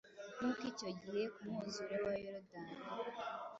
nkuko icyo gihe Ku mwuzure wa Yorodani